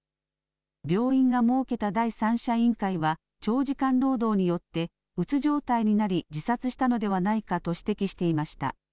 病院が設けた第三者委員会は、長時間労働によってうつ状態になり自殺したのではないかと指摘していました。